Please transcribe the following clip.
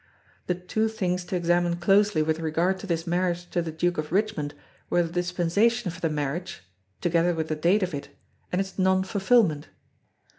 The two things to examine closely with regard to this marriage to the Duke of Richmond were the Dispensation for the marriage (together with the date of it), and its non fulfilment.